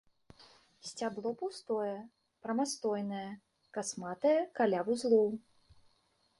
Сцябло пустое, прамастойнае, касматае каля вузлоў.